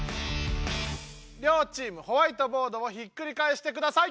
両チームホワイトボードを引っくりかえしてください！